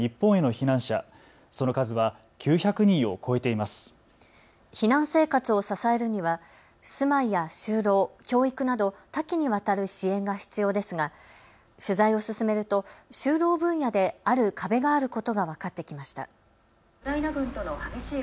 避難生活を支えるには住まいや就労、教育など多岐にわたる支援が必要ですが取材を進めると就労分野である壁があることが分かってきました。